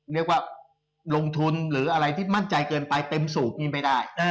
เรียกว่าลงทุนหรืออะไรที่มั่นใจเกินไปเต็มสูบนี่ไม่ได้